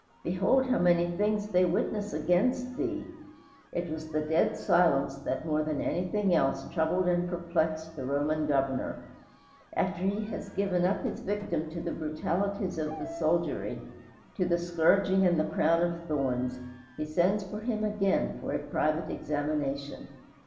Behold how many things they witness against thee." It was the dead silence that more than anything else troubled and perplexed the Roman governor. After he has given up his victim to the brutalities of the soldiery, to the scourging and the crown of thorns, he sends for him again for a private examination.